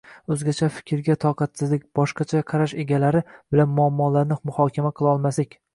o‘zgacha fikrga toqatsizlik, boshqacha qarash egalari bilan muammolarni muhokama qilolmaslik